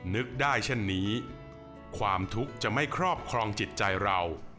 นึกได้เช่นนี้ความทุกข์จะไม่ครอบครองจิตใจเรา